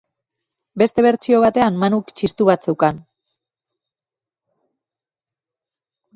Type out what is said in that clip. Beste bertsio batean, Manuk txistu bat zeukan.